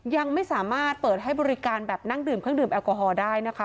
ยังไม่สามารถเปิดให้บริการแบบนั่งดื่มเครื่องดื่มแอลกอฮอลได้นะคะ